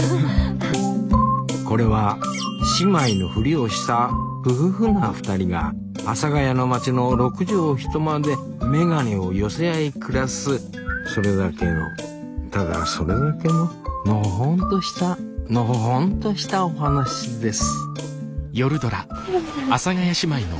これは姉妹のフリをしたふふふな２人が阿佐ヶ谷の町の６畳一間で眼鏡を寄せ合い暮らすそれだけのただそれだけののほほんとしたのほほんとしたお話です